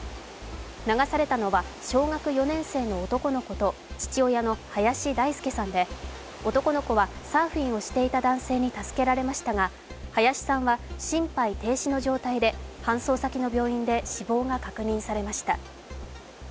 流されたのは小学４年生の男の子と父親の林大介さんで男の子はサーフィンをしていた男性に助けられましたが林さんは心肺停止の状態で搬送先の病院で死亡が確認されました。